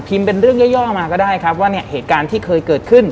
เป็นเรื่องย่อมาก็ได้ครับว่าเนี่ยเหตุการณ์ที่เคยเกิดขึ้น